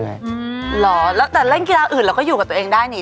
หรอแล้วแต่เล่นกีฬาอื่นเราก็อยู่กับตัวเองได้นี่